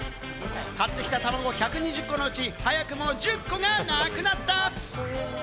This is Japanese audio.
買ってきたたまご１２０個のうち、早くも１０個がなくなった！